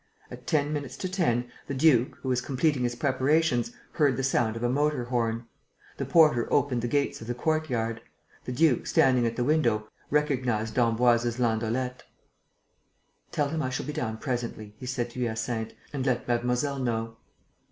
At ten minutes to ten, the duke, who was completing his preparations, heard the sound of a motor horn. The porter opened the gates of the courtyard. The duke, standing at the window, recognized d'Emboise's landaulette: "Tell him I shall be down presently," he said to Hyacinthe, "and let mademoiselle know."